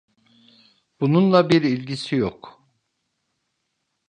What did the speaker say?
Bununla bir ilgisi yok.